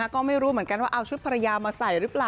ก็ไม่รู้เหมือนกันว่าเอาชุดภรรยามาใส่หรือเปล่า